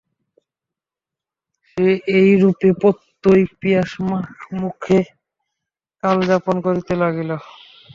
সে এই রূপে প্রত্যই প্রিয়সমাগমসুখে কালযাপন করিতে লাগিল।